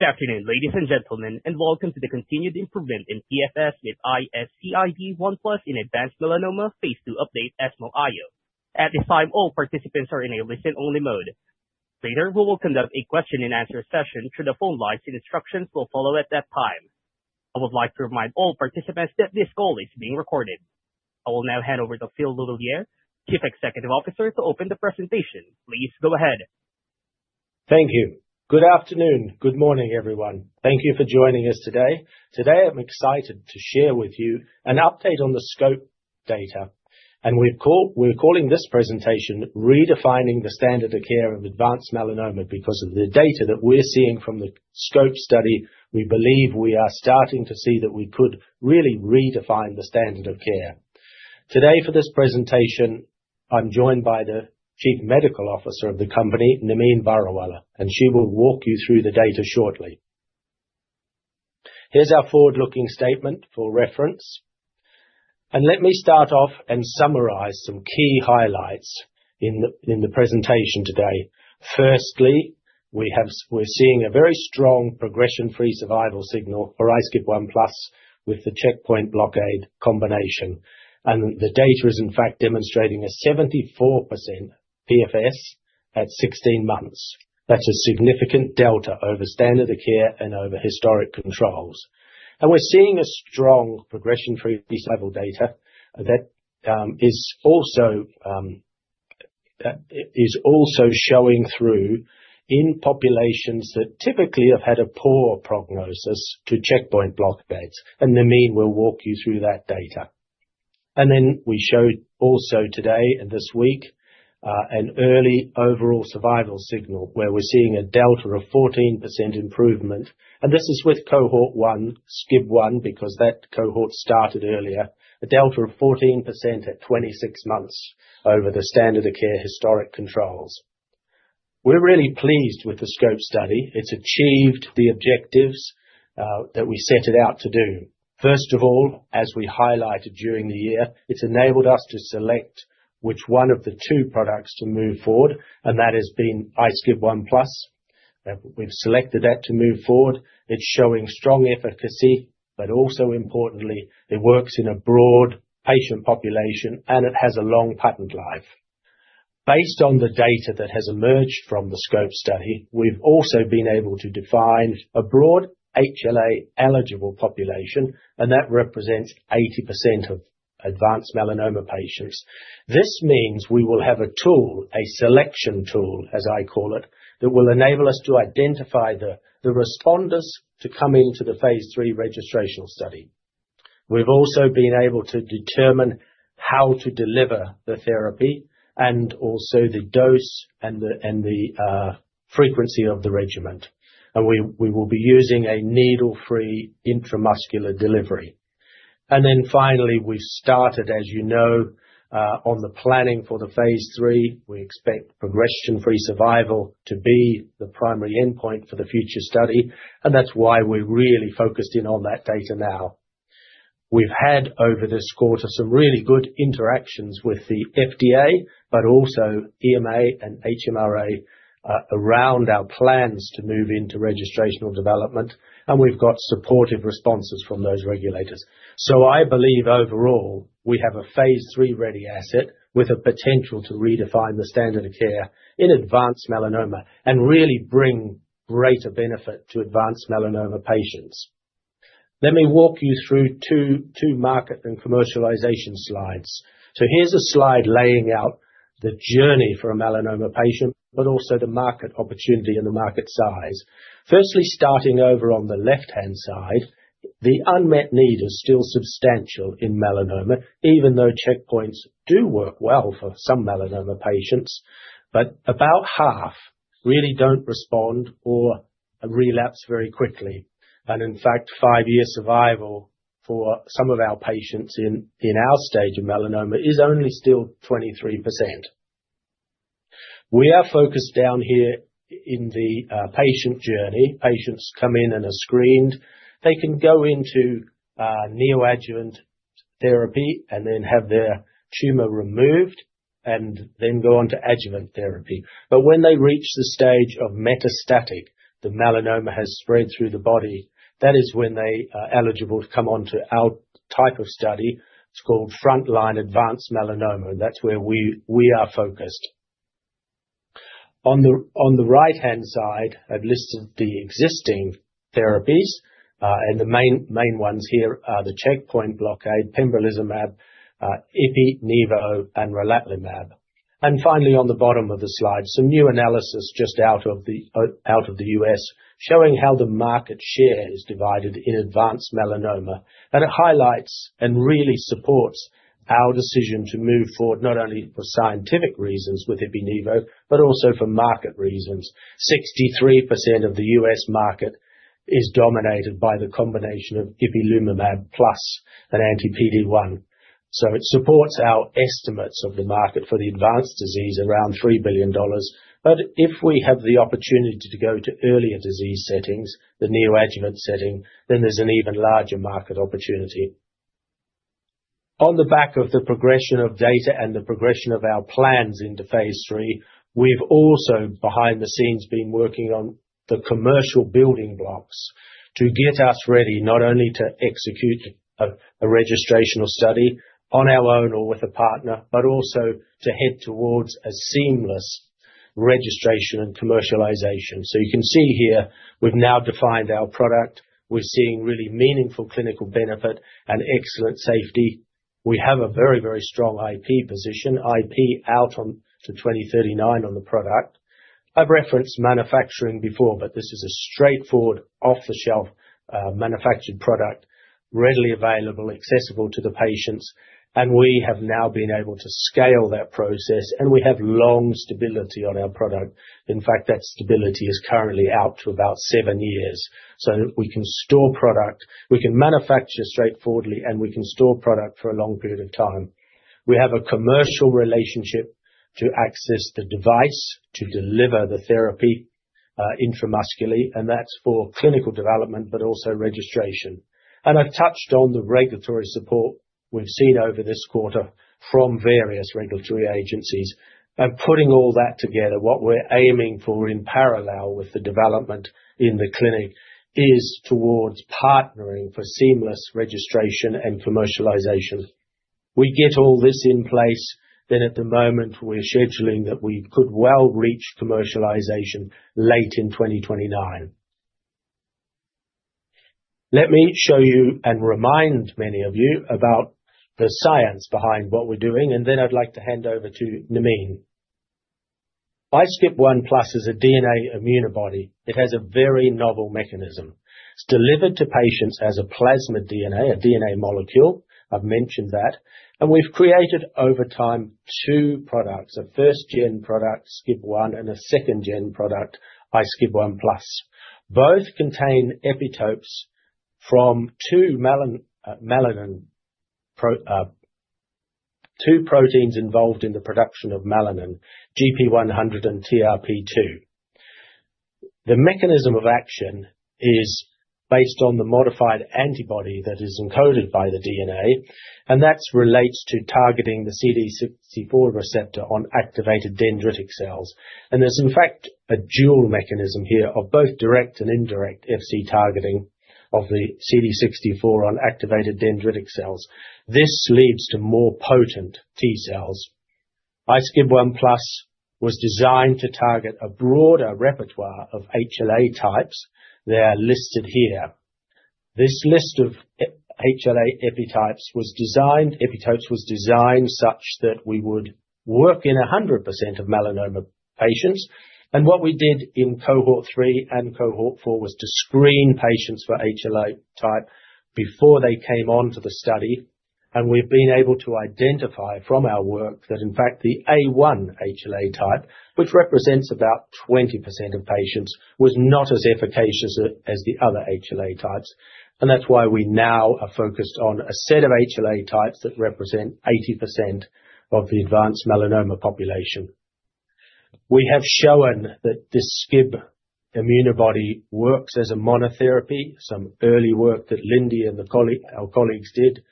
Good afternoon, ladies and gentlemen, and welcome to the Continued Improvement in PFS with iSCIB1+ in Advanced Melanoma Phase II Update ESMO IO. At this time, all participants are in a listen-only mode. Later, we will conduct a question and answer session through the phone lines and instructions will follow at that time. I would like to remind all participants that this call is being recorded. I will now hand over to Phil L'Huillier, Chief Executive Officer, to open the presentation. Please go ahead. Thank you. Good afternoon. Good morning, everyone. Thank you for joining us today. Today I'm excited to share with you an update on the SCOPE data. We're calling this presentation Redefining the Standard of Care of Advanced Melanoma. Because of the data that we're seeing from the SCOPE study, we believe we are starting to see that we could really redefine the standard of care. Today, for this presentation, I'm joined by the Chief Medical Officer of the company, Nermeen Varawalla, and she will walk you through the data shortly. Here's our forward-looking statement for reference. Let me start off and summarize some key highlights in the presentation today. Firstly, we're seeing a very strong progression-free survival signal for iSCIB1+ with the checkpoint blockade combination. The data is in fact demonstrating a 74% PFS at 16 months. That's a significant delta over standard of care and over historic controls. We're seeing a strong progression-free survival data that is also showing through in populations that typically have had a poor prognosis to checkpoint blockades. Nermeen will walk you through that data. We showed also today and this week, an early overall survival signal where we're seeing a delta of 14% improvement. This is with cohort one, SCIB1, because that cohort started earlier, a delta of 14% at 26 months over the standard of care historic controls. We're really pleased with the SCOPE study. It's achieved the objectives, that we set it out to do. First of all, as we highlighted during the year, it's enabled us to select which one of the two products to move forward, and that has been iSCIB1+. We've selected that to move forward. It's showing strong efficacy, but also importantly, it works in a broad patient population and it has a long patent life. Based on the data that has emerged from the SCOPE study, we've also been able to define a broad HLA-eligible population, and that represents 80% of advanced melanoma patients. This means we will have a tool, a selection tool, as I call it, that will enable us to identify the responders to come into the phase III registrational study. We've also been able to determine how to deliver the therapy and also the dose and the frequency of the regimen. We will be using a needle-free intramuscular delivery. Then finally, we started, as you know, on the planning for the phase III. We expect progression-free survival to be the primary endpoint for the future study, and that's why we're really focused in on that data now. We've had, over this quarter, some really good interactions with the FDA, but also EMA and MHRA, around our plans to move into registrational development, and we've got supportive responses from those regulators. I believe overall, we have a phase III-ready asset with a potential to redefine the standard of care in advanced melanoma and really bring greater benefit to advanced melanoma patients. Let me walk you through two market and commercialization slides. Here's a slide laying out the journey for a melanoma patient, but also the market opportunity and the market size. Firstly, starting over on the left-hand side, the unmet need is still substantial in melanoma, even though checkpoints do work well for some melanoma patients. About half really don't respond or relapse very quickly. In fact, five-year survival for some of our patients in our stage of melanoma is only still 23%. We are focused down here in the patient journey. Patients come in and are screened. They can go into neoadjuvant therapy and then have their tumor removed, and then go on to adjuvant therapy. When they reach the stage of metastatic, the melanoma has spread through the body, that is when they are eligible to come on to our type of study. It's called Front Line Advanced Melanoma. That's where we are focused. On the right-hand side, I've listed the existing therapies, and the main ones here are the checkpoint blockade, pembrolizumab, Ipi, Nivo, and Relatlimab. Finally, on the bottom of the slide, some new analysis just out of the U.S., showing how the market share is divided in advanced melanoma. It highlights and really supports our decision to move forward, not only for scientific reasons with Ipi/Nivo, but also for market reasons. 63% of the U.S. market is dominated by the combination of ipilimumab plus an anti-PD-1. It supports our estimates of the market for the advanced disease around $3 billion. If we have the opportunity to go to earlier disease settings, the neoadjuvant setting, then there's an even larger market opportunity. On the back of the progression of data and the progression of our plans into phase III, we've also, behind the scenes, been working on the commercial building blocks to get us ready, not only to execute a registrational study on our own or with a partner, but also to head towards a seamless registration and commercialization. You can see here, we've now defined our product. We're seeing really meaningful clinical benefit and excellent safety. We have a very, very strong IP position, IP out to 2039 on the product. I've referenced manufacturing before, but this is a straightforward, off-the-shelf, manufactured product, readily available, accessible to the patients, and we have now been able to scale that process, and we have long stability on our product. In fact, that stability is currently out to about seven years. We can store product, we can manufacture straightforwardly, and we can store product for a long period of time. We have a commercial relationship to access the device to deliver the therapy, intramuscularly, and that's for clinical development but also registration. I've touched on the regulatory support we've seen over this quarter from various regulatory agencies. By putting all that together, what we're aiming for in parallel with the development in the clinic is towards partnering for seamless registration and commercialization. We get all this in place, then at the moment we're scheduling that we could well reach commercialization late in 2029. Let me show you, and remind many of you, about the science behind what we're doing, and then I'd like to hand over to Nermeen. iSCIB1+ is a DNA ImmunoBody. It has a very novel mechanism. It's delivered to patients as a plasmid DNA, a DNA molecule. I've mentioned that. We've created, over time, two products, a first-gen product, SCIB1, and a second-gen product, iSCIB1+. Both contain epitopes from two proteins involved in the production of melanin, gp100 and TRP-2. The mechanism of action is based on the modified antibody that is encoded by the DNA, and that relates to targeting the CD64 receptor on activated dendritic cells. There's in fact a dual mechanism here of both direct and indirect Fc targeting of the CD64 on activated dendritic cells. This leads to more potent T-cells. iSCIB1+ was designed to target a broader repertoire of HLA types. They are listed here. This list of HLA epitopes was designed such that we would work in 100% of melanoma patients. What we did in cohort three and cohort four was to screen patients for HLA type before they came onto the study, and we've been able to identify from our work that in fact the A1 HLA type, which represents about 20% of patients, was not as efficacious as the other HLA types. That's why we now are focused on a set of HLA types that represent 80% of the advanced melanoma population. We have shown that this iSCIB1 ImmunoBody works as a monotherapy, some early work that Lindy and our colleagues did.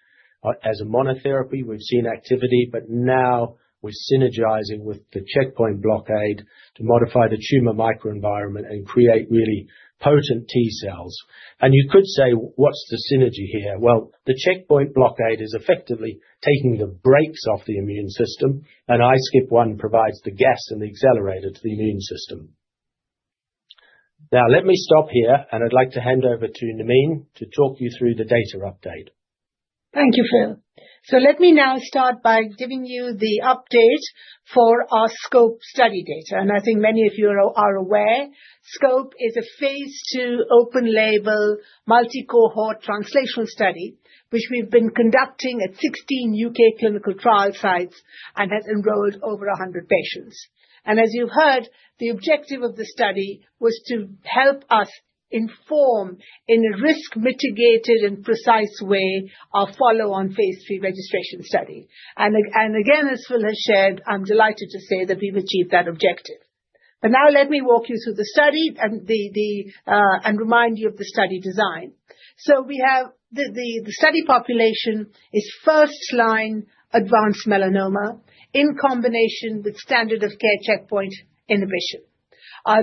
As a monotherapy, we've seen activity, but now we're synergizing with the checkpoint blockade to modify the tumor microenvironment and create really potent T-cells. You could say, "What's the synergy here?" Well, the checkpoint blockade is effectively taking the brakes off the immune system, and iSCIB1 provides the gas and the accelerator to the immune system. Now let me stop here, and I'd like to hand over to Nermeen to talk you through the data update. Thank you, Phil. Let me now start by giving you the update for our SCOPE study data. I think many of you are aware, SCOPE is a phase II open label multi-cohort translational study which we've been conducting at 16 U.K. clinical trial sites and has enrolled over 100 patients. As you heard, the objective of the study was to help us inform in a risk mitigated and precise way our follow-on phase III registration study. Again, as Phil has shared, I'm delighted to say that we've achieved that objective. Now let me walk you through the study and remind you of the study design. The study population is first-line advanced melanoma in combination with standard of care checkpoint inhibition.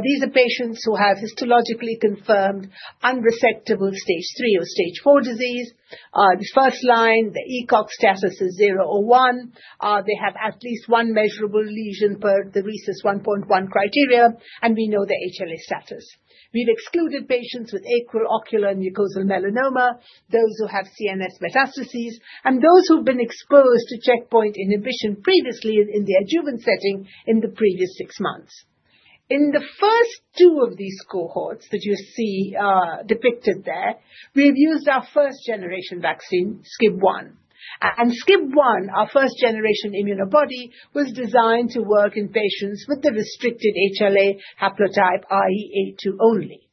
These are patients who have histologically confirmed unresectable stage 3 or stage 4 disease. The first line, the ECOG status is zero or one. They have at least one measurable lesion per the RECIST 1.1 criteria, and we know their HLA status. We've excluded patients with acral, ocular, mucosal melanoma, those who have CNS metastases, and those who've been exposed to checkpoint inhibition previously in the adjuvant setting in the previous six months. In the first two of these cohorts that you see, depicted there, we've used our first generation vaccine, iSCIB1. And iSCIB1, our first generation ImmunoBody, was designed to work in patients with a restricted HLA haplotype, i.e., HLA-A2 only.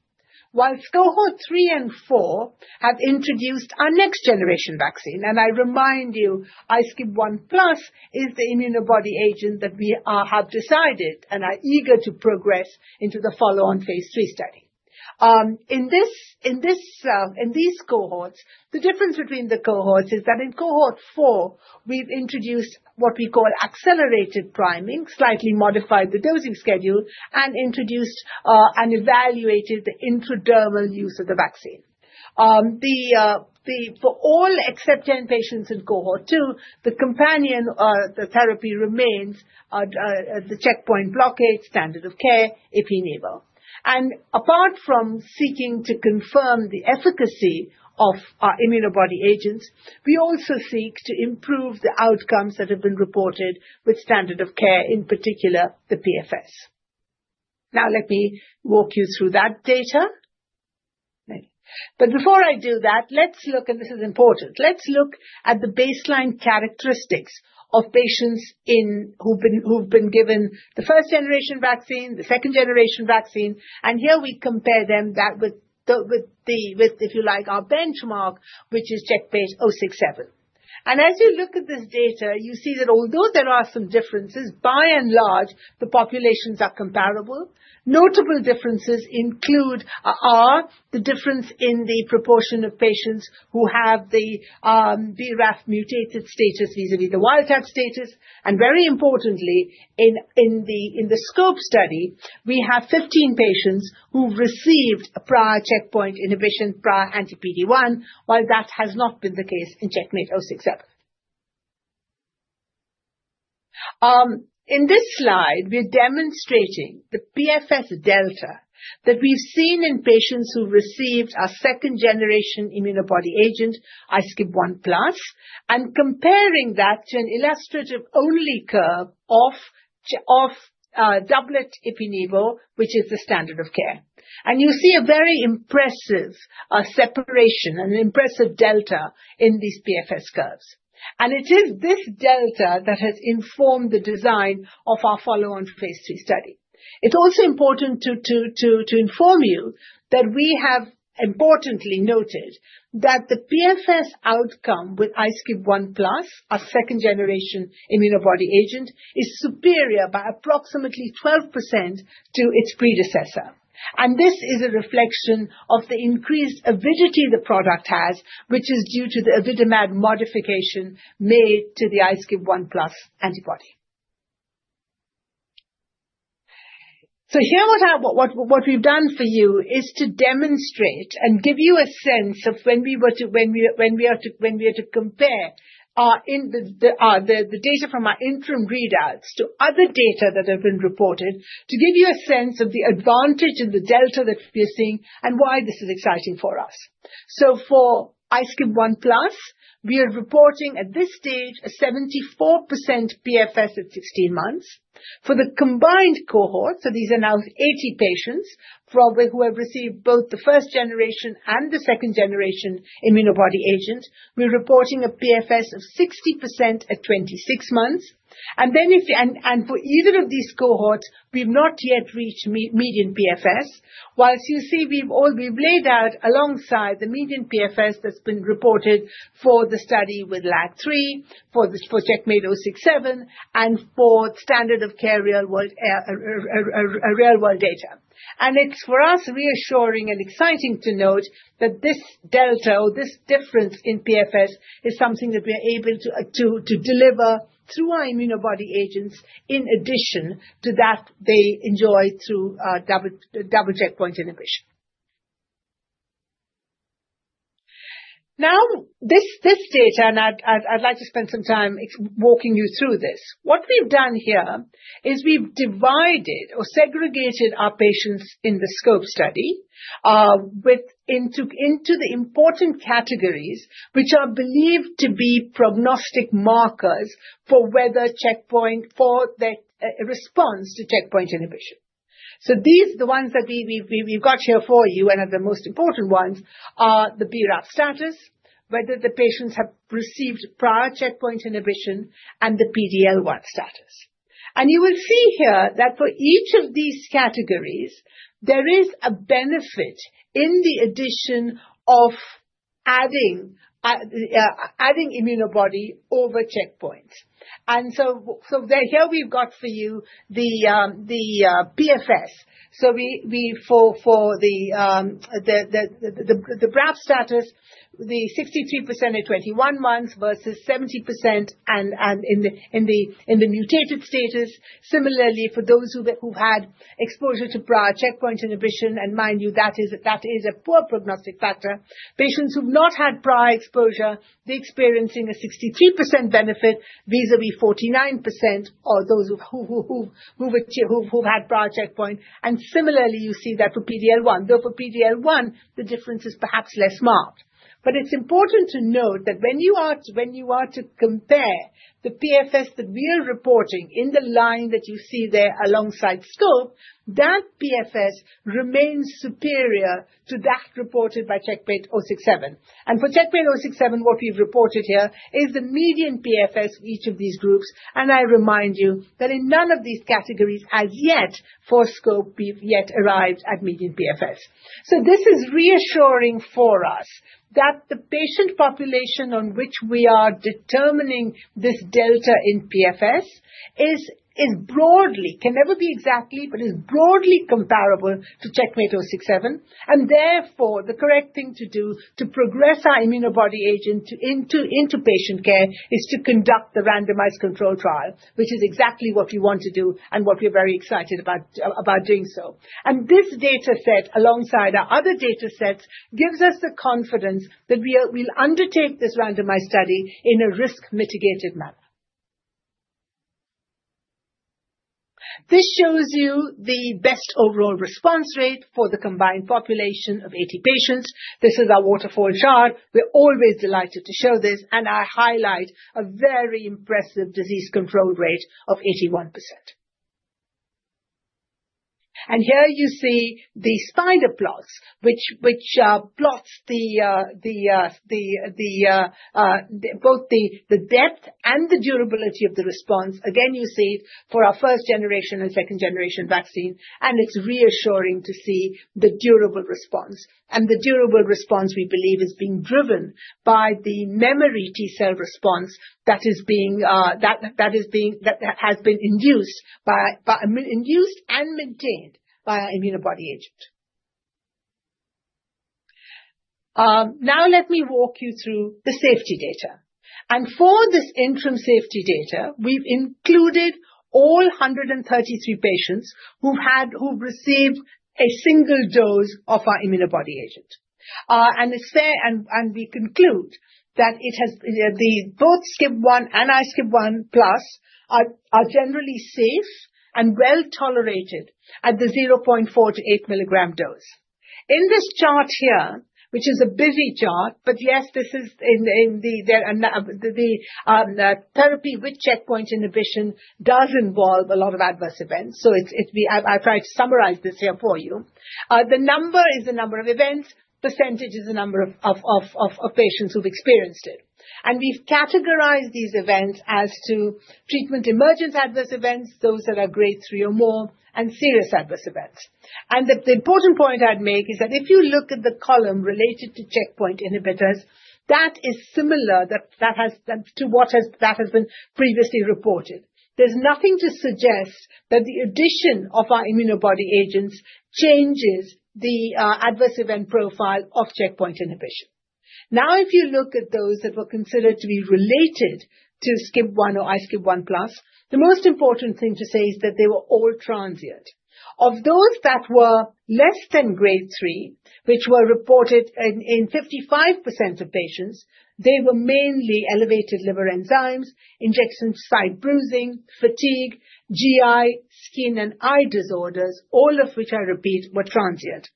While cohort three and four have introduced our next-generation vaccine, and I remind you, iSCIB1+ is the ImmunoBody agent that we have decided and are eager to progress into the follow-on phase III study. In these cohorts, the difference between the cohorts is that in cohort four, we've introduced what we call accelerated priming, slightly modified the dosing schedule, and introduced and evaluated the intradermal use of the vaccine. For all except 10 patients in cohort two, the companion therapy remains the checkpoint blockade standard of care, Ipi/Nivo. Apart from seeking to confirm the efficacy of our ImmunoBody agents, we also seek to improve the outcomes that have been reported with standard of care, in particular, the PFS. Now, let me walk you through that data. Before I do that, let's look, and this is important, let's look at the baseline characteristics of patients who've been given the first-generation vaccine, the second-generation vaccine. Here we compare them to that with the, if you like, our benchmark, which is CheckMate 067. As you look at this data, you see that although there are some differences, by and large, the populations are comparable. Notable differences include the difference in the proportion of patients who have the BRAF-mutated status, vis-à-vis the wild-type status. Very importantly, in the SCOPE study, we have 15 patients who've received a prior checkpoint inhibition, prior anti-PD-1, while that has not been the case in CheckMate 067. In this slide, we're demonstrating the PFS delta that we've seen in patients who received a second-generation ImmunoBody agent, iSCIB1+, and comparing that to an illustrative control curve of doublet Ipi/Nivo, which is the standard of care. You see a very impressive separation, an impressive delta in these PFS curves. It is this delta that has informed the design of our follow-on phase III study. It's also important to inform you that we have importantly noted that the PFS outcome with iSCIB1+, our second-generation ImmunoBody agent, is superior by approximately 12% to its predecessor. This is a reflection of the increased avidity the product has, which is due to the AvidiMab modification made to the iSCIB1+ antibody. Here what we've done for you is to demonstrate and give you a sense of when we are to compare the data from our interim readouts to other data that have been reported to give you a sense of the advantage of the delta that we are seeing and why this is exciting for us. For iSCIB1+, we are reporting at this stage a 74% PFS at 16 months. For the combined cohort, these are now 80 patients who have received both the first-generation and the second-generation ImmunoBody agent, we're reporting a PFS of 60% at 26 months. For either of these cohorts, we've not yet reached median PFS. While you see we've all... We've laid out alongside the median PFS that's been reported for the study with LAG-3, for CheckMate 067, and for standard of care real-world real-world data. It's for us reassuring and exciting to note that this delta or this difference in PFS is something that we are able to deliver through our ImmunoBody agents in addition to that they enjoy through double checkpoint inhibition. Now, this data, and I'd like to spend some time walking you through this. What we've done here is we've divided or segregated our patients in the SCOPE study into the important categories which are believed to be prognostic markers for whether checkpoint for the response to checkpoint inhibition. These, the ones that we've got here for you and are the most important ones are the BRAF status, whether the patients have received prior checkpoint inhibition, and the PDL1 status. You will see here that for each of these categories, there is a benefit in the addition of adding ImmunoBody over checkpoint. Here we've got for you the PFS. For the BRAF status, the 63% at 21 months versus 70% and in the mutated status. Similarly, for those who've had exposure to prior checkpoint inhibition, and mind you, that is a poor prognostic factor. Patients who've not had prior exposure, they're experiencing a 63% benefit, vis-à-vis 49% for those who've had prior checkpoint. Similarly, you see that for PDL1, though for PDL1, the difference is perhaps less marked. It's important to note that when you are to compare the PFS that we are reporting in the line that you see there alongside SCOPE, that PFS remains superior to that reported by CheckMate 067. For CheckMate 067, what we've reported here is the median PFS for each of these groups. I remind you that in none of these categories as yet for SCOPE we've yet arrived at median PFS. This is reassuring for us that the patient population on which we are determining this delta in PFS is broad, can never be exactly, but is broadly comparable to CheckMate 067. Therefore, the correct thing to do to progress our antibody agent into patient care is to conduct the randomized control trial, which is exactly what we want to do and what we're very excited about doing so. This data set, alongside our other data sets, gives us the confidence that we'll undertake this randomized study in a risk mitigated manner. This shows you the best overall response rate for the combined population of 80 patients. This is our waterfall chart. We're always delighted to show this, and I highlight a very impressive disease control rate of 81%. Here you see the spider plots, which plots the depth and the durability of the response. Again, you see for our first generation and second-generation vaccine, and it's reassuring to see the durable response. The durable response, we believe, is being driven by the memory T cell response that has been induced and maintained by our antibody agent. Now let me walk you through the safety data. For this interim safety data, we've included all 133 patients who've received a single dose of our antibody agent. We conclude that both SCIB1 and iSCIB1+ are generally safe and well-tolerated at the 0.4-8 mg dose. In this chart here, which is a busy chart, but yes, this is in the therapy with checkpoint inhibition does involve a lot of adverse events. So it's. I've tried to summarize this here for you. The number is the number of events. Percentage is the number of patients who've experienced it. And we've categorized these events as to treatment-emergent adverse events, those that are grade three or more, and serious adverse events. The important point I'd make is that if you look at the column related to checkpoint inhibitors, that is similar, that has, that. To what has been previously reported. There's nothing to suggest that the addition of our antibody agents changes the adverse event profile of checkpoint inhibition. Now, if you look at those that were considered to be related to SCIB1 or iSCIB1+, the most important thing to say is that they were all transient. Of those that were less than grade three, which were reported in 55% of patients, they were mainly elevated liver enzymes, injection site bruising, fatigue, GI, skin, and eye disorders, all of which I repeat were transient.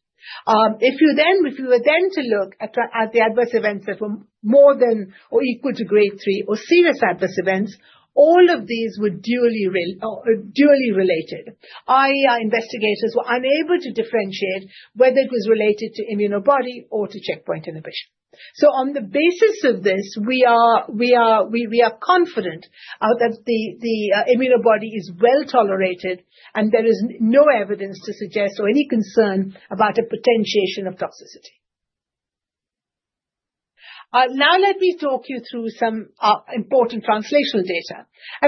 If you look at the adverse events that were more than or equal to grade three or serious adverse events, all of these were dually related, i.e. Our investigators were unable to differentiate whether it was related to antibody or to checkpoint inhibition. On the basis of this, we are confident that the antibody is well-tolerated and there is no evidence to suggest or any concern about a potentiation of toxicity. Now let me talk you through some important translational data.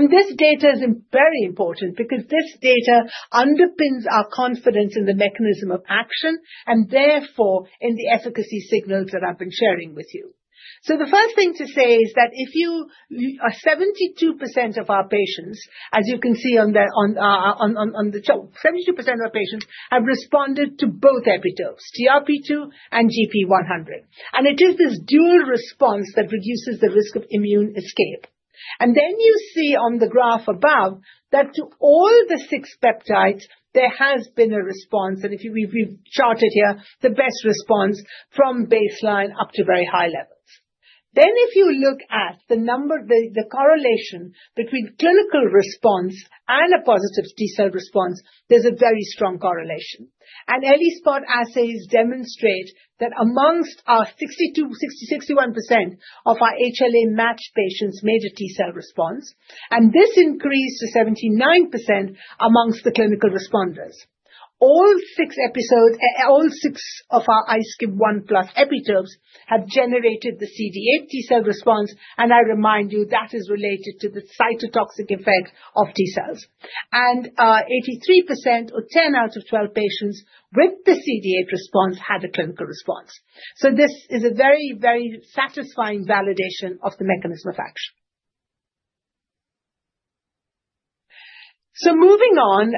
This data is very important because this data underpins our confidence in the mechanism of action and therefore in the efficacy signals that I've been sharing with you. The first thing to say is that 72% of our patients, as you can see on the top, have responded to both epitopes, TRP-2 and gp100. It is this dual response that reduces the risk of immune escape. You see on the graph above that to all six peptides, there has been a response. If you... We've charted here the best response from baseline up to very high levels. If you look at the number, the correlation between clinical response and a positive T cell response, there's a very strong correlation. ELISpot assays demonstrate that amongst our 62%, 60%, 61% of our HLA-matched patients made a T cell response, and this increased to 79% amongst the clinical responders. All six epitopes... All six of our iSCIB1+ epitopes have generated the CD8 T cell response, and I remind you that is related to the cytotoxic effect of T cells. 83% or 10 out of 12 patients with the CD8 response had a clinical response. This is a very, very satisfying validation of the mechanism of action. Moving on.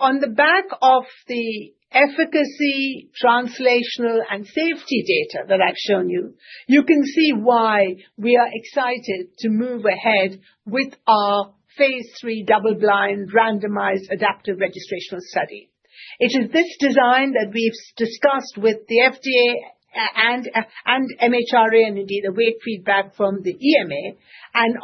On the back of the efficacy, translational, and safety data that I've shown you can see why we are excited to move ahead with our phase III double-blind randomized adaptive registrational study. It is this design that we've discussed with the FDA and MHRA, and indeed await feedback from the EMA.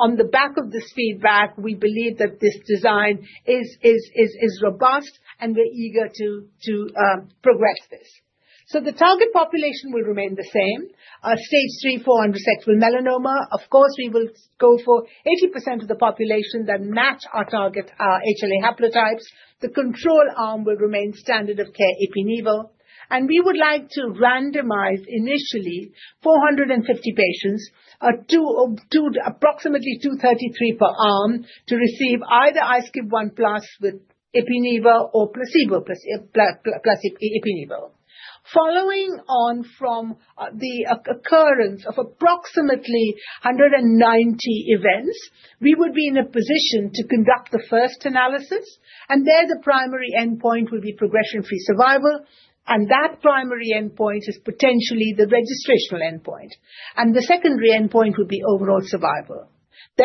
On the back of this feedback, we believe that this design is robust, and we're eager to progress this. The target population will remain the same, stage III, IV unresectable melanoma. Of course, we will go for 80% of the population that match our target, our HLA haplotypes. The control arm will remain standard of care Ipi/Nivo. We would like to randomize initially 450 patients. Approximately 233 per arm, to receive either iSCIB1+ with Ipi/Nivo or placebo plus Ipi/Nivo. Following on from the occurrence of approximately 190 events, we would be in a position to conduct the first analysis, and there the primary endpoint will be progression-free survival, and that primary endpoint is potentially the registrational endpoint. The secondary endpoint would be overall survival.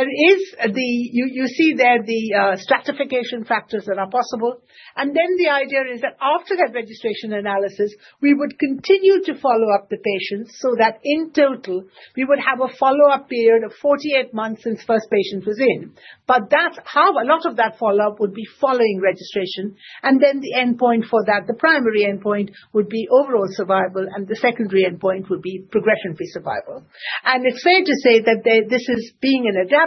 You see there the stratification factors that are possible. Then the idea is that after that registration analysis, we would continue to follow up the patients so that in total, we would have a follow-up period of 48 months since first patient was in. A lot of that follow-up would be following registration and then the endpoint for that. The primary endpoint would be overall survival, and the secondary endpoint would be progression-free survival. It's fair to say that this is an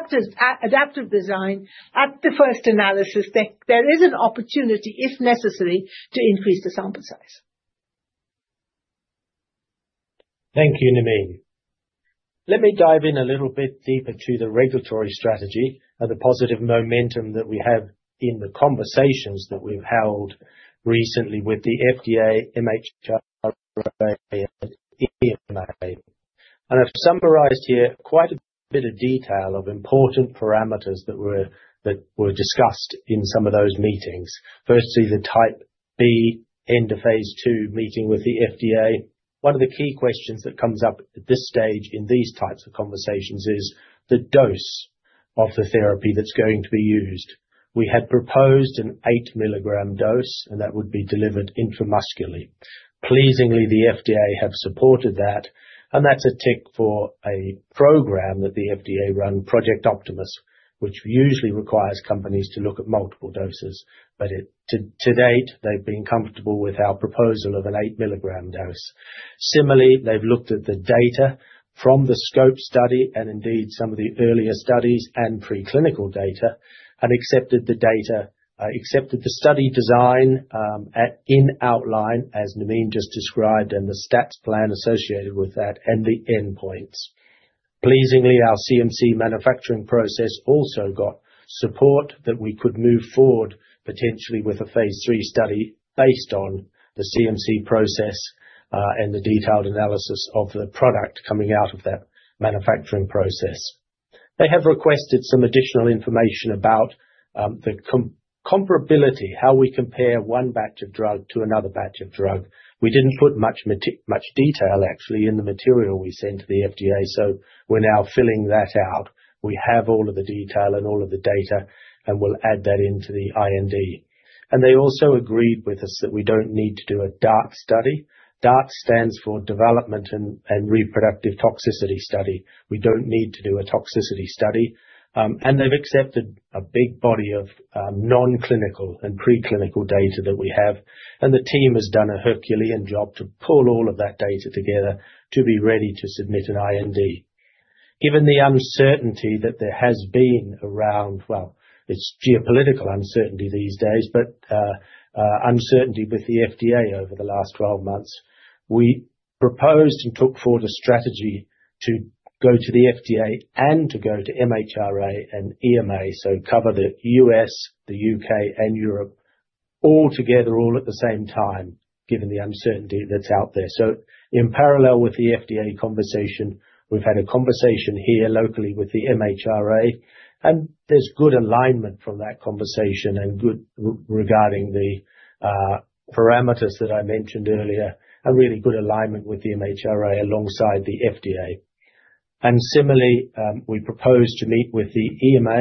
adaptive design at the first analysis, that there is an opportunity, if necessary, to increase the sample size. Thank you, Nermeen. Let me dive in a little bit deeper to the regulatory strategy and the positive momentum that we have in the conversations that we've held recently with the FDA, MHRA, and EMA. I've summarized here quite a bit of detail of important parameters that were discussed in some of those meetings. Firstly, the Type B end of phase II meeting with the FDA. One of the key questions that comes up at this stage in these types of conversations is the dose of the therapy that's going to be used. We had proposed an 8-mg dose, and that would be delivered intramuscularly. Pleasingly, the FDA have supported that, and that's a tick for a program that the FDA run, Project Optimus, which usually requires companies to look at multiple doses. To date, they've been comfortable with our proposal of an 8-mg dose. Similarly, they've looked at the data from the SCOPE study and indeed some of the earlier studies and preclinical data and accepted the data, accepted the study design, in outline, as Nermeen just described, and the stats plan associated with that and the endpoints. Pleasingly, our CMC manufacturing process also got support that we could move forward, potentially with a phase III study based on the CMC process, and the detailed analysis of the product coming out of that manufacturing process. They have requested some additional information about the comparability, how we compare one batch of drug to another batch of drug. We didn't put much detail actually in the material we sent to the FDA, so we're now filling that out. We have all of the detail and all of the data, and we'll add that into the IND. They also agreed with us that we don't need to do a DART study. DART stands for Development and Reproductive Toxicity study. We don't need to do a toxicity study. They've accepted a big body of non-clinical and preclinical data that we have, and the team has done a Herculean job to pull all of that data together to be ready to submit an IND. Given the uncertainty that there has been around, well, it's geopolitical uncertainty these days, but uncertainty with the FDA over the last 12 months. We proposed and took forward a strategy to go to the FDA and to go to MHRA and EMA, so cover the U.S., the U.K., and Europe all together, all at the same time, given the uncertainty that's out there. In parallel with the FDA conversation, we've had a conversation here locally with the MHRA, and there's good alignment from that conversation and good regarding the parameters that I mentioned earlier, a really good alignment with the MHRA alongside the FDA. Similarly, we proposed to meet with the EMA,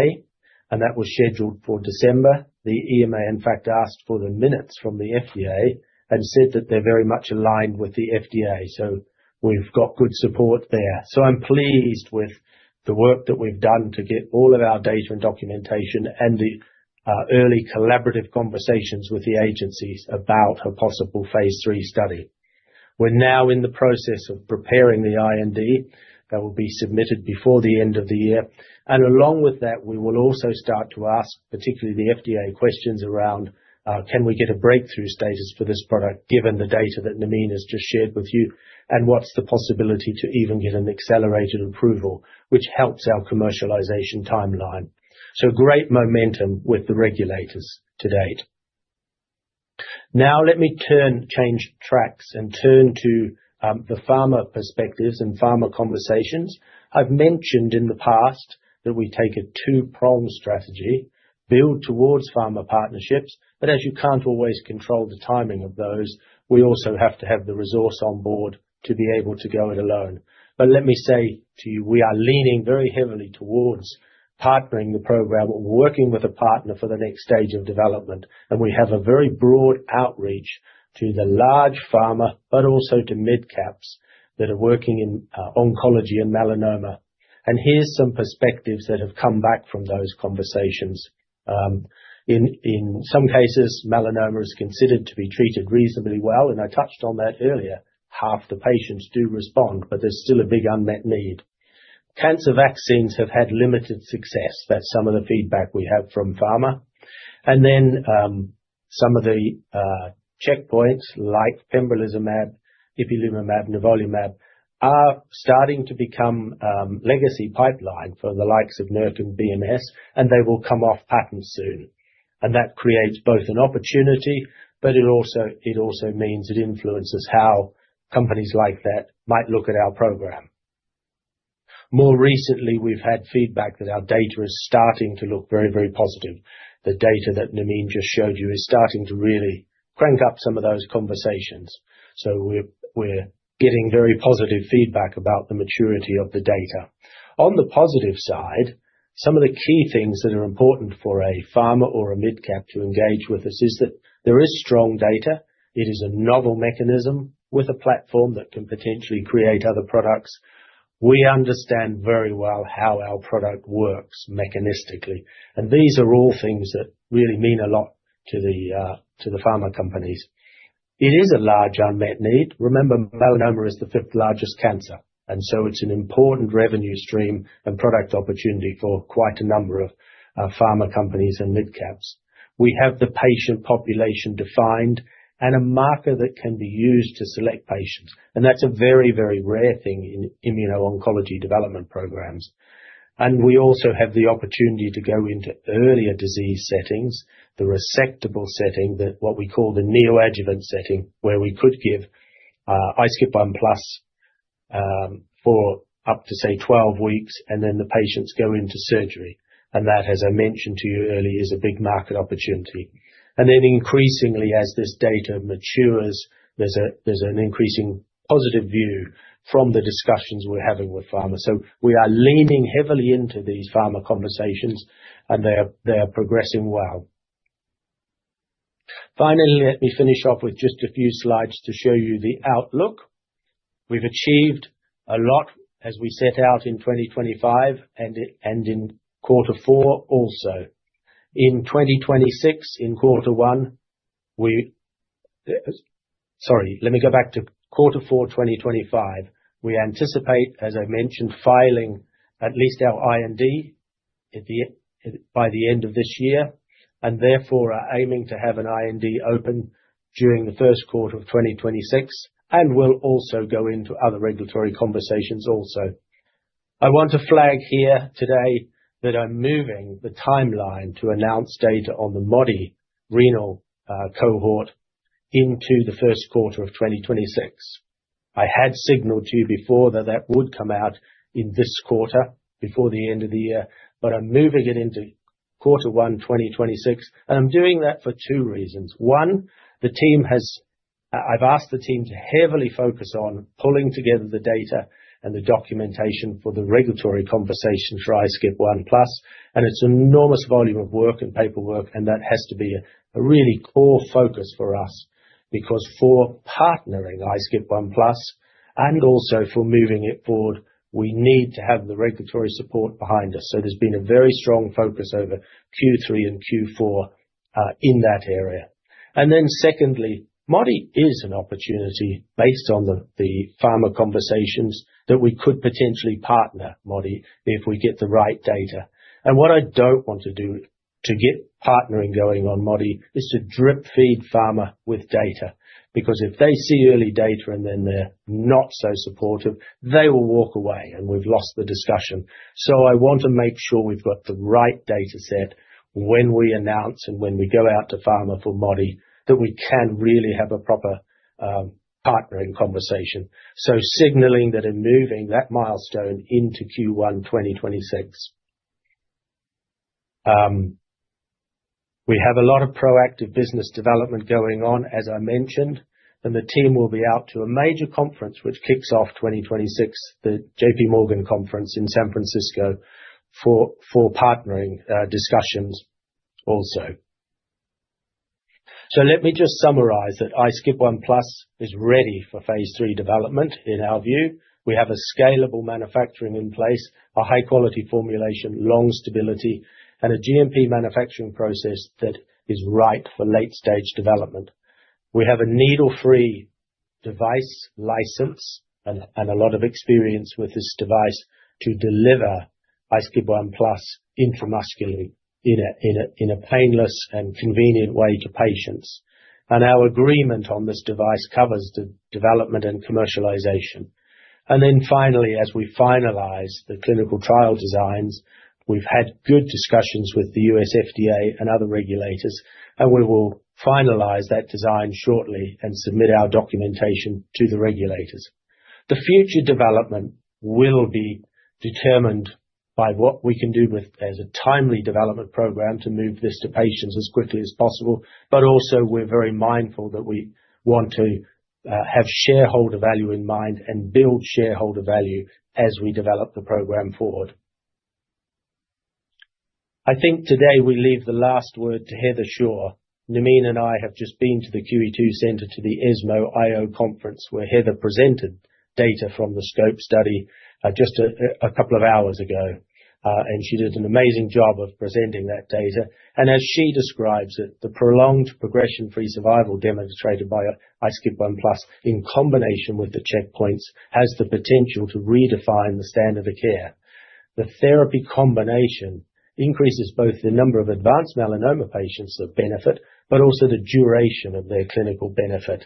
and that was scheduled for December. The EMA, in fact, asked for the minutes from the FDA and said that they're very much aligned with the FDA. We've got good support there. I'm pleased with the work that we've done to get all of our data and documentation and the early collaborative conversations with the agencies about a possible phase III study. We're now in the process of preparing the IND that will be submitted before the end of the year. Along with that, we will also start to ask, particularly the FDA, questions around can we get a breakthrough status for this product given the data that Nermeen has just shared with you, and what's the possibility to even get an accelerated approval, which helps our commercialization timeline. Great momentum with the regulators to date. Now, let me change tracks and turn to the pharma perspectives and pharma conversations. I've mentioned in the past that we take a two-prong strategy, build towards pharma partnerships, but as you can't always control the timing of those, we also have to have the resource on board to be able to go it alone. Let me say to you, we are leaning very heavily towards partnering the program or working with a partner for the next stage of development. We have a very broad outreach to the large pharma, but also to mid-caps that are working in oncology and melanoma. Here's some perspectives that have come back from those conversations. In some cases, melanoma is considered to be treated reasonably well, and I touched on that earlier. Half the patients do respond, but there's still a big unmet need. Cancer vaccines have had limited success. That's some of the feedback we have from pharma. Some of the checkpoints like pembrolizumab, ipilimumab, nivolumab are starting to become legacy pipeline for the likes of Merck and BMS, and they will come off patent soon. That creates both an opportunity, but it also means it influences how companies like that might look at our program. More recently, we've had feedback that our data is starting to look very, very positive. The data that Nermeen just showed you is starting to really crank up some of those conversations. We're getting very positive feedback about the maturity of the data. On the positive side, some of the key things that are important for a pharma or a midcap to engage with us is that there is strong data. It is a novel mechanism with a platform that can potentially create other products. We understand very well how our product works mechanistically, and these are all things that really mean a lot to the pharma companies. It is a large unmet need. Remember, melanoma is the fifth-largest cancer, and so it's an important revenue stream and product opportunity for quite a number of pharma companies and midcaps. We have the patient population defined and a marker that can be used to select patients, and that's a very, very rare thing in immuno-oncology development programs. We also have the opportunity to go into earlier disease settings, the resectable setting, what we call the neoadjuvant setting, where we could give iSCIB1+, for up to, say, 12 weeks, and then the patients go into surgery. That, as I mentioned to you earlier, is a big market opportunity. Increasingly, as this data matures, there's an increasing positive view from the discussions we're having with pharma. We are leaning heavily into these pharma conversations, and they are progressing well. Finally, let me finish off with just a few slides to show you the outlook. We've achieved a lot as we set out in 2025 and in quarter four also. In 2026, in quarter one. Sorry, let me go back to quarter four, 2025. We anticipate, as I mentioned, filing at least our IND by the end of this year, and therefore are aiming to have an IND open during the first quarter of 2026, and we'll also go into other regulatory conversations also. I want to flag here today that I'm moving the timeline to announce data on the Modi-1 renal cohort into the first quarter of 2026. I had signaled to you before that that would come out in this quarter before the end of the year, but I'm moving it into quarter one, 2026, and I'm doing that for two reasons. One, I've asked the team to heavily focus on pulling together the data and the documentation for the regulatory conversation for iSCIB1+, and it's an enormous volume of work and paperwork, and that has to be a really core focus for us, because for partnering iSCIB1+ and also for moving it forward, we need to have the regulatory support behind us. There's been a very strong focus over Q3 and Q4 in that area. Then secondly, Modi-1 is an opportunity based on the pharma conversations that we could potentially partner Modi-1 if we get the right data. What I don't want to do to get partnering going on Modi-1 is to drip feed pharma with data, because if they see early data and then they're not so supportive, they will walk away and we've lost the discussion. I want to make sure we've got the right data set when we announce and when we go out to pharma for Modi-1, that we can really have a proper partnering conversation. Signaling that and moving that milestone into Q1 2026. We have a lot of proactive business development going on, as I mentioned, and the team will be out to a major conference which kicks off 2026, the JPMorgan conference in San Francisco for partnering discussions also. Let me just summarize that iSCIB1+ is ready for phase III development in our view. We have a scalable manufacturing in place, a high-quality formulation, long stability, and a GMP manufacturing process that is right for late-stage development. We have a needle-free device license and a lot of experience with this device to deliver iSCIB1+ intramuscularly in a painless and convenient way to patients. Our agreement on this device covers the development and commercialization. Finally, as we finalize the clinical trial designs, we've had good discussions with the U.S. FDA and other regulators, and we will finalize that design shortly and submit our documentation to the regulators. The future development will be determined by what we can do with a timely development program to move this to patients as quickly as possible. We're very mindful that we want to have shareholder value in mind and build shareholder value as we develop the program forward. I think today we leave the last word to Heather Shaw. Nermeen and I have just been to the QE2 Centre to the ESMO IO Conference, where Heather presented data from the SCOPE study, just a couple of hours ago. She did an amazing job of presenting that data. As she describes it, "The prolonged progression-free survival demonstrated by iSCIB1+ in combination with the checkpoints has the potential to redefine the standard of care. The therapy combination increases both the number of advanced melanoma patients who benefit, but also the duration of their clinical benefit,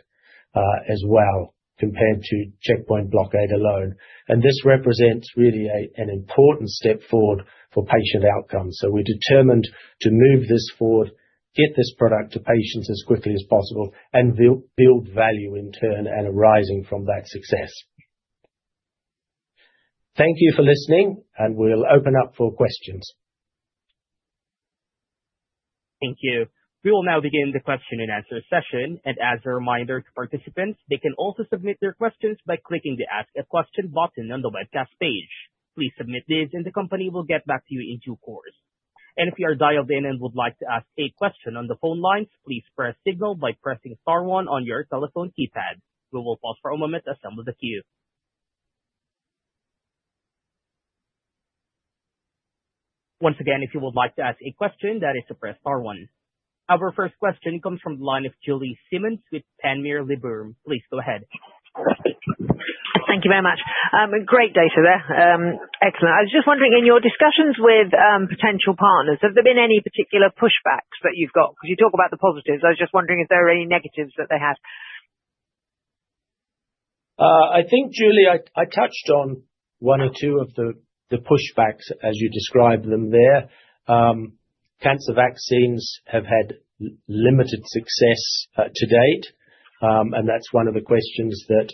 as well, compared to checkpoint blockade alone. This represents really an important step forward for patient outcomes." We're determined to move this forward, get this product to patients as quickly as possible, and build value in turn and arising from that success. Thank you for listening, and we'll open up for questions. Thank you. We will now begin the question and answer session. As a reminder to participants, they can also submit their questions by clicking the Ask a Question button on the webcast page. Please submit these and the company will get back to you in due course. If you are dialed in and would like to ask a question on the phone lines, please signal by pressing star one on your telephone keypad. We will pause for a moment as the queue builds. Once again, if you would like to ask a question, that is to press star one. Our first question comes from the line of Julie Simmonds with Panmure Liberum. Please go ahead. Thank you very much. Great data there. Excellent. I was just wondering, in your discussions with potential partners, have there been any particular pushbacks that you've got? Because you talk about the positives, I was just wondering if there are any negatives that they had. I think, Julie, I touched on one or two of the pushbacks as you described them there. Cancer vaccines have had limited success to date. That's one of the questions that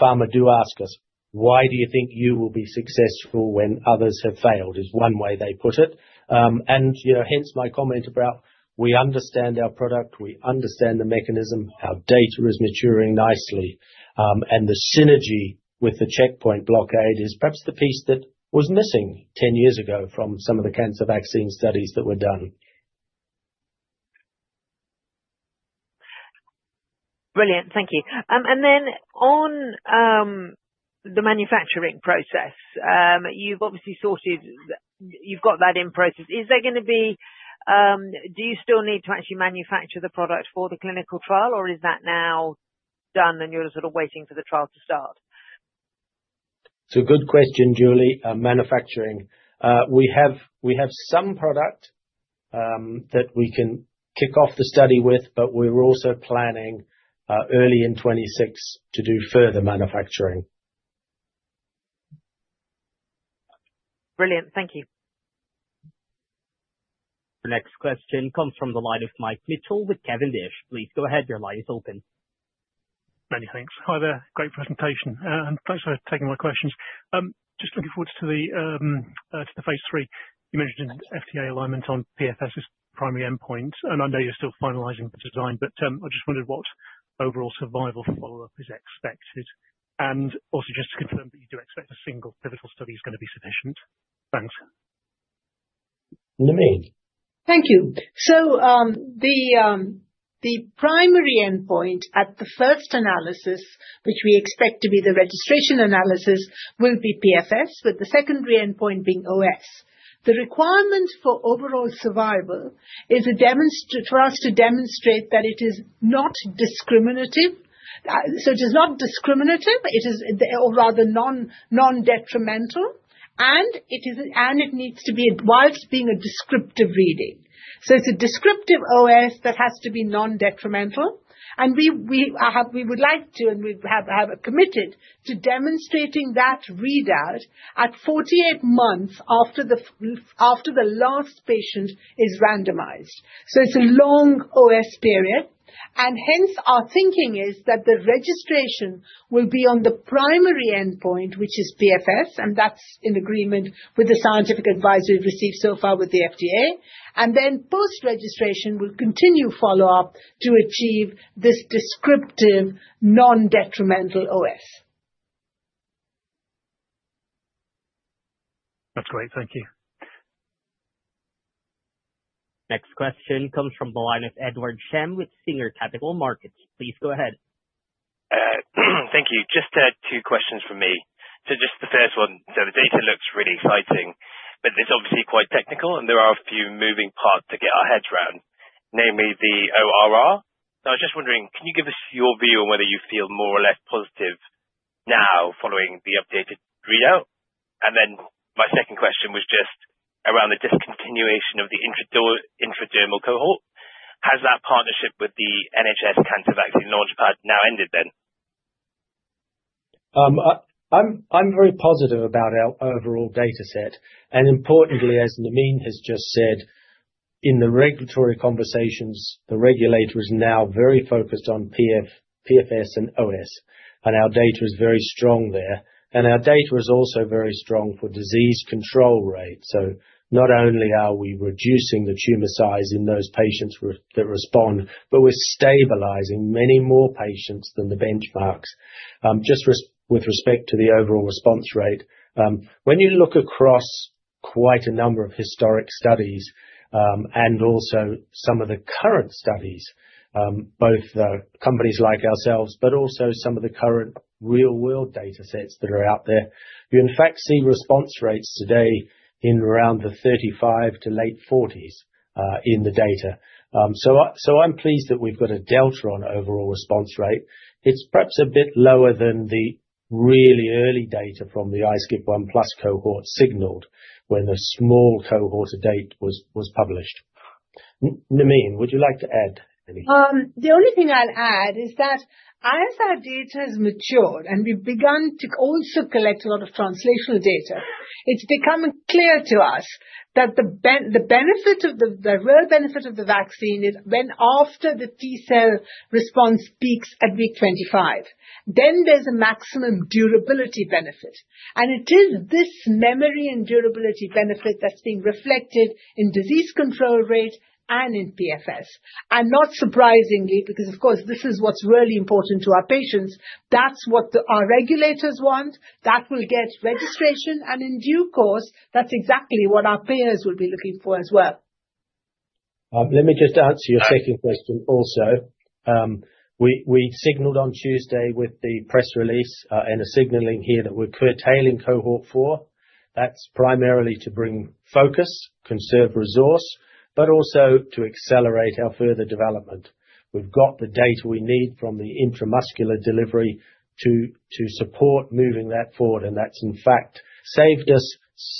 pharma do ask us, "Why do you think you will be successful when others have failed?" Is one way they put it. You know, hence my comment about we understand our product, we understand the mechanism, our data is maturing nicely. The synergy with the checkpoint blockade is perhaps the piece that was missing 10 years ago from some of the cancer vaccine studies that were done. Brilliant. Thank you. Then on the manufacturing process, you've got that in process. Is there gonna be, do you still need to actually manufacture the product for the clinical trial or is that now done and you're sort of waiting for the trial to start? It's a good question, Julie, manufacturing. We have some product that we can kick off the study with, but we're also planning early in 2026 to do further manufacturing. Brilliant. Thank you. The next question comes from the line of Mike Mitchell with Cavendish. Please go ahead, your line is open. Many thanks. Hi there. Great presentation. Thanks for taking my questions. Just looking forward to the phase III, you mentioned FDA alignment on PFS's primary endpoint, and I know you're still finalizing the design, but I just wondered what overall survival follow-up is expected. Also just to confirm that you do expect a single pivotal study is gonna be sufficient. Thanks. Nermeen. Thank you. The primary endpoint at the first analysis, which we expect to be the registration analysis, will be PFS, with the secondary endpoint being OS. The requirement for overall survival is a demonstration for us to demonstrate that it is not discriminative. It is not discriminative, or rather non-detrimental, and it needs to be while being a descriptive reading. It's a descriptive OS that has to be non-detrimental. We would like to and we have committed to demonstrating that readout at 48 months after the last patient is randomized. It's a long OS period, and hence our thinking is that the registration will be on the primary endpoint, which is PFS, and that's in agreement with the scientific advice received so far with the FDA. Post-registration, we'll continue follow up to achieve this descriptive non-detrimental OS. That's great. Thank you. Next question comes from the line of Edward Sham with Singer Capital Markets. Please go ahead. Thank you. Just two questions from me. Just the first one, the data looks really exciting, but it's obviously quite technical, and there are a few moving parts to get our heads around. Namely the ORR. I was just wondering, can you give us your view on whether you feel more or less positive now following the updated readout? My second question was just around the discontinuation of the intradermal cohort. Has that partnership with the NHS Cancer Vaccine Launch Pad now ended then? I'm very positive about our overall data set. Importantly, as Nermeen has just said, in the regulatory conversations, the regulator is now very focused on PFS and OS, and our data is very strong there. Our data is also very strong for disease control rate. Not only are we reducing the tumor size in those patients that respond, but we're stabilizing many more patients than the benchmarks. With respect to the overall response rate, when you look across quite a number of historic studies, and also some of the current studies, both companies like ourselves, but also some of the current real-world datasets that are out there, you in fact see response rates today in around the 35 to late 40s, in the data. I'm pleased that we've got a delta on overall response rate. It's perhaps a bit lower than the really early data from the iSCIB1+ cohort signaled when the small cohort to date was published. Nermeen, would you like to add anything? The only thing I'd add is that as our data has matured and we've begun to also collect a lot of translational data. It's becoming clear to us that the benefit of the vaccine is when after the T cell response peaks at week 25, then there's a maximum durability benefit. It is this memory and durability benefit that's being reflected in disease control rates and in PFS. Not surprisingly, because of course this is what's really important to our patients, that's what our regulators want. That will get registration and in due course, that's exactly what our payers will be looking for as well. Let me just answer your second question also. We signaled on Tuesday with the press release and are signaling here that we're curtailing cohort four. That's primarily to bring focus, conserve resource, but also to accelerate our further development. We've got the data we need from the intramuscular delivery to support moving that forward, and that's in fact saved us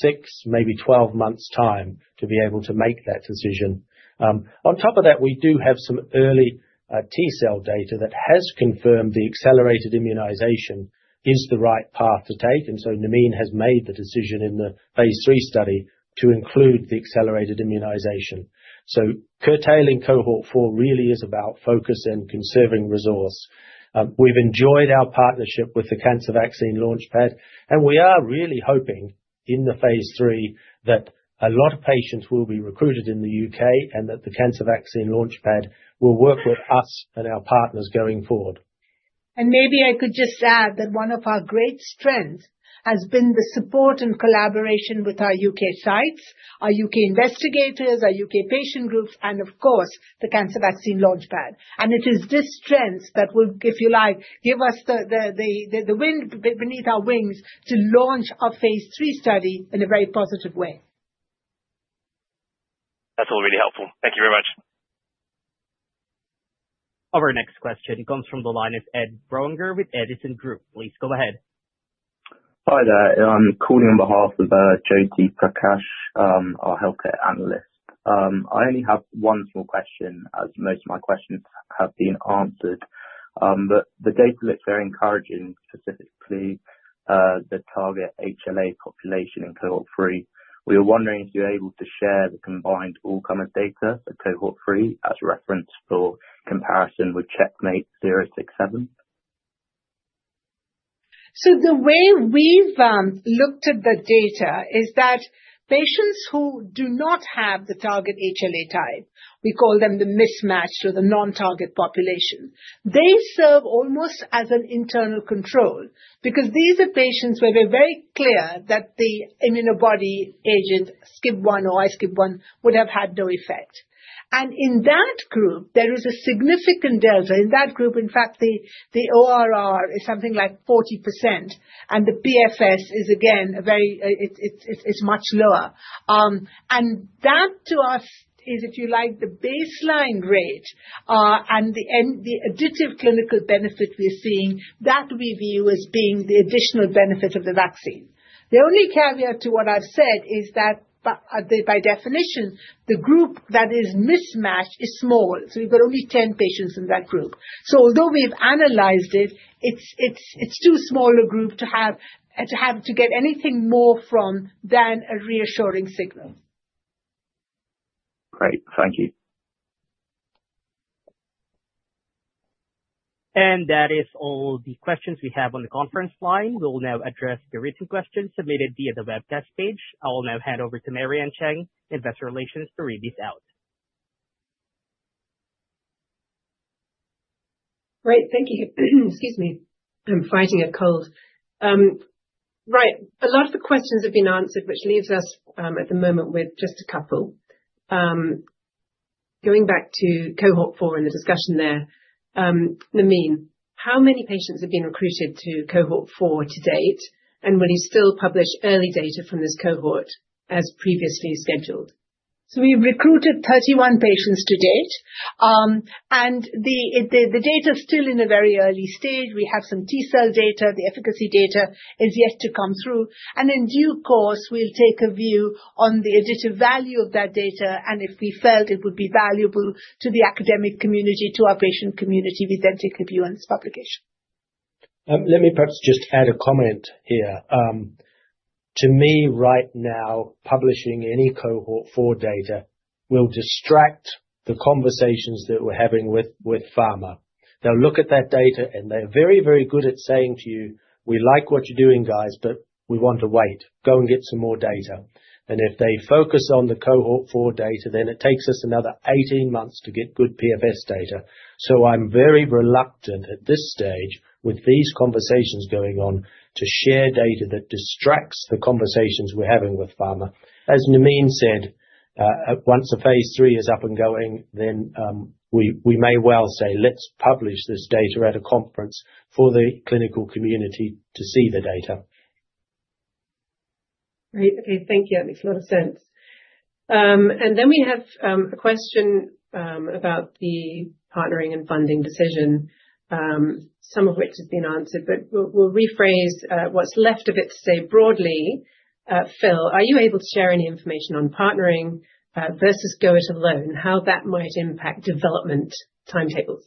six, maybe 12 months' time to be able to make that decision. On top of that, we do have some early T-cell data that has confirmed the accelerated immunization is the right path to take. Nermeen has made the decision in the phase III study to include the accelerated immunization. Curtailing cohort four really is about focus and conserving resource. We've enjoyed our partnership with the Cancer Vaccine Launch Pad, and we are really hoping in the phase III that a lot of patients will be recruited in the U.K. and that the Cancer Vaccine Launch Pad will work with us and our partners going forward. Maybe I could just add that one of our great strengths has been the support and collaboration with our U.K. sites, our U.K. investigators, our U.K. patient groups, and of course, the Cancer Vaccine Launch Pad. It is this strength that will, if you like, give us the wind beneath our wings to launch our phase III study in a very positive way. That's all really helpful. Thank you very much. Our next question comes from the line of Ed Brounger with Edison Group. Please go ahead. Hi there. I'm calling on behalf of Jyoti Prakash, our healthcare analyst. I only have one small question as most of my questions have been answered. The data looks very encouraging, specifically, the target HLA population in cohort three. We were wondering if you're able to share the combined all comers data for cohort three as a reference for comparison with CheckMate 067. The way we've looked at the data is that patients who do not have the target HLA type, we call them the mismatch or the non-target population. They serve almost as an internal control because these are patients where we're very clear that the antibody agent, SCIB1 or iSCIB1, would have had no effect. In that group, there is a significant delta. In that group, in fact, the ORR is something like 40% and the PFS is again a very, it's much lower. That to us is, if you like, the baseline rate, and the additive clinical benefit we're seeing that we view as being the additional benefit of the vaccine. The only caveat to what I've said is that by definition, the group that is mismatched is small. We've got only 10 patients in that group. Although we've analyzed it's too small a group to have to get anything more from than a reassuring signal. Great. Thank you. That is all the questions we have on the conference line. We will now address the written questions submitted via the webcast page. I will now hand over to Mary-Ann Chang, Investor Relations, to read these out. Right. Thank you. Excuse me. I'm fighting a cold. Right. A lot of the questions have been answered, which leaves us, at the moment with just a couple. Going back to cohort four and the discussion there, Nermeen, how many patients have been recruited to cohort four to date? And will you still publish early data from this cohort as previously scheduled? We've recruited 31 patients to date. The data is still in a very early stage. We have some T-cell data. The efficacy data is yet to come through, and in due course, we'll take a view on the additive value of that data, and if we felt it would be valuable to the academic community, to our patient community, we then take a view on its publication. Let me perhaps just add a comment here. To me right now, publishing any cohort four data will distract the conversations that we're having with pharma. They'll look at that data, and they're very, very good at saying to you, "We like what you're doing, guys, but we want to wait. Go and get some more data." If they focus on the cohort four data, then it takes us another 18 months to get good PFS data. I'm very reluctant at this stage with these conversations going on to share data that distracts the conversations we're having with pharma. As Nermeen said, once the phase III is up and going, then we may well say, "Let's publish this data at a conference for the clinical community to see the data. Great. Okay. Thank you. That makes a lot of sense. We have a question about the partnering and funding decision, some of which has been answered, but we'll rephrase what's left of it to say broadly. Phil, are you able to share any information on partnering versus go it alone, how that might impact development timetables?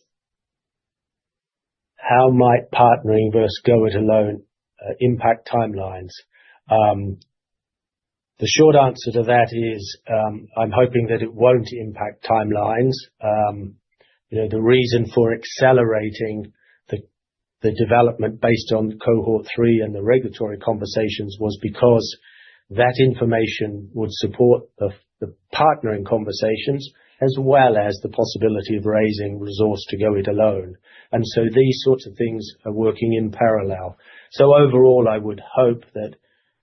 How might partnering versus go it alone impact timelines? The short answer to that is, I'm hoping that it won't impact timelines. You know, the reason for accelerating the development based on cohort three and the regulatory conversations was because that information would support the partnering conversations as well as the possibility of raising resource to go it alone. These sorts of things are working in parallel. Overall, I would hope that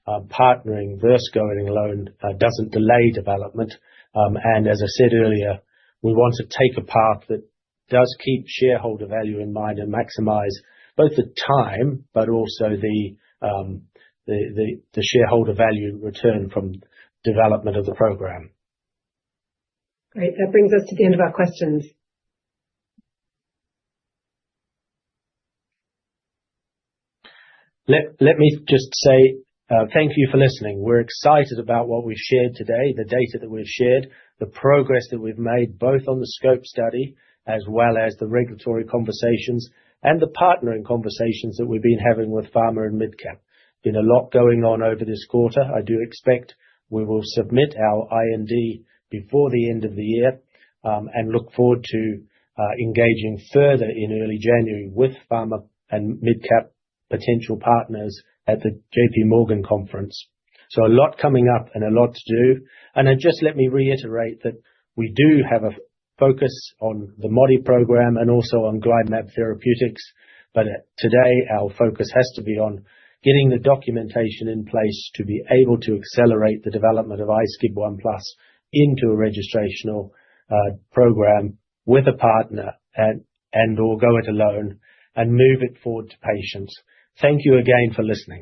partnering versus going it alone doesn't delay development. And as I said earlier, we want to take a path that does keep shareholder value in mind and maximize both the time but also the shareholder value return from development of the program. Great. That brings us to the end of our questions. Let me just say, thank you for listening. We're excited about what we've shared today, the data that we've shared, the progress that we've made, both on the SCOPE study as well as the regulatory conversations and the partnering conversations that we've been having with pharma and mid-cap. It's been a lot going on over this quarter. I do expect we will submit our IND before the end of the year, and look forward to engaging further in early January with pharma and mid-cap potential partners at the JPMorgan conference. A lot coming up and a lot to do. Just let me reiterate that we do have a focus on the Modi-1 program and also on GlyMab Therapeutics, but today our focus has to be on getting the documentation in place to be able to accelerate the development of iSCIB1+ into a registrational program with a partner and/or go it alone and move it forward to patients. Thank you again for listening.